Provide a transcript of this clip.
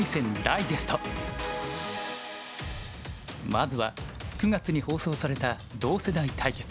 まずは９月に放送された同世代対決。